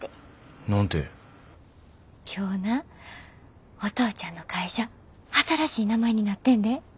今日なお父ちゃんの会社新しい名前になってんで。